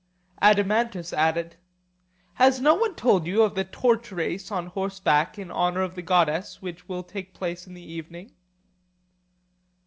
Adeimantus added: Has no one told you of the torch race on horseback in honour of the goddess which will take place in the evening?